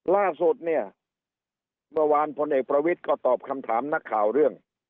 ล่าสุดเนี่ยเมื่อวานพลเอกประวิทย์ก็ตอบคำถามนักข่าวเรื่อง